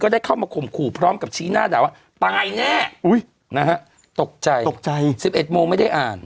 ได้เข้ามาข่มขู่พร้อมกับชี้หน้าด่าว่าตายแน่นะฮะตกใจตกใจ๑๑โมงไม่ได้อ่าน